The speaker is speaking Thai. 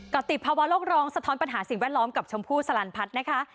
ก็ติดภาวะโลกร้องสะท้อนปัญหาสิ่งแวดล้อมกับชมพู่สลันพัฒน์นะคะ